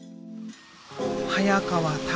早川拓